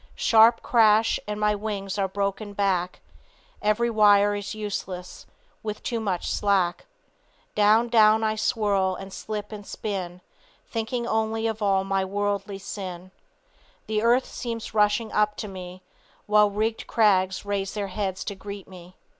Sharp crash, and my wings are broken back; Every wire is useless with too much slack. Down, down I swirl and slip and spin; Thinking only of all my worldly sin. The earth seems rushing up to me; While rigged crags raise their heads to greet me.